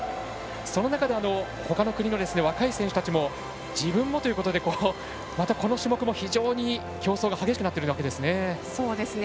その中でほかの国の若い選手たちも自分もということでこの種目も非常に競争が激しくなっていますね。